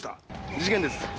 事件です。